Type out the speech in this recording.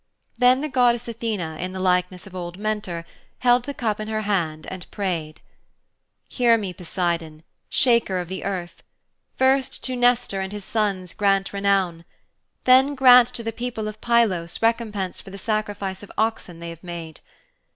Then the goddess Athene in the likeness of old Mentor held the cup in her hand and prayed: 'Hear me, Poseidon, shaker of the earth: First to Nestor and his sons grant renown. Then grant to the people of Pylos recompense for the sacrifice of oxen they have made.